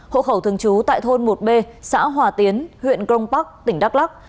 hộ khẩu thường trú tại thôn một b xã hòa tiến huyện công bắc tỉnh đắk lắc